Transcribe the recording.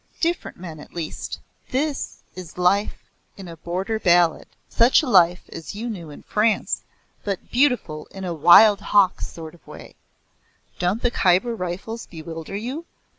"Different men at least. This is life in a Border ballad. Such a life as you knew in France but beautiful in a wild hawk sort of way. Don't the Khyber Rifles bewilder you?